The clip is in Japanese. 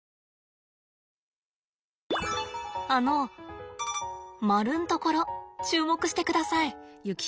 あの丸ん所注目してください。